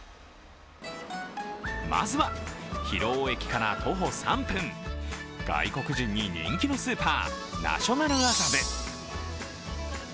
まずは広尾駅から徒歩３分外国人に人気のスーパー、ナショナル麻布。